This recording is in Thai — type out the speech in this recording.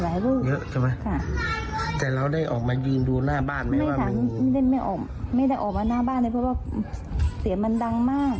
ไม่ยินเยอะค่ะหลายลูกแต่เราได้ออกมายืนดูหน้าบ้านไหมว่ามันไม่ได้ออกมาหน้าบ้านเลยเพราะว่าเสียงมันดังมาก